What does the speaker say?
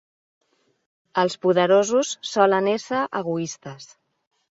Els poderosos solen ésser egoistes.